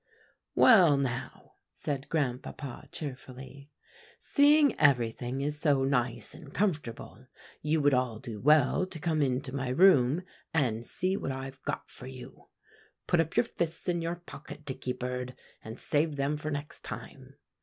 "Well, now," said Grandpapa cheerfully, "seeing everything is so nice and comfortable, you would all do well to come into my room and see what I've got for you. Put up your fists in your pocket, Dickybird, and save them for next time."